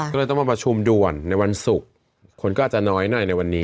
ก็เลยต้องมาประชุมด่วนในวันศุกร์คนก็อาจจะน้อยหน่อยในวันนี้